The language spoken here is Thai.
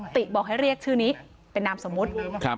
ติบอกให้เรียกชื่อนี้เป็นนามสมมุติ